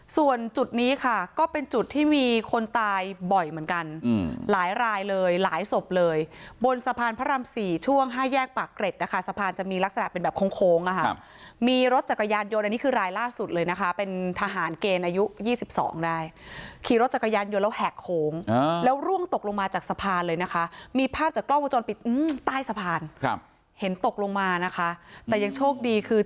ส่วนจุดนี้ค่ะก็เป็นจุดที่มีคนตายบ่อยเหมือนกันหลายรายเลยหลายศพเลยบนสะพานพระรามสี่ช่วงห้าแยกปากเกร็ดนะคะสะพานจะมีลักษณะเป็นแบบโค้งโค้งอ่ะค่ะมีรถจักรยานยนต์อันนี้คือรายล่าสุดเลยนะคะเป็นทหารเกณฑ์อายุยี่สิบสองได้ขี่รถจักรยานยนต์แล้วแหกโค้งแล้วร่วงตกลงมาจากสะพานเลยนะคะมีภาพจากกล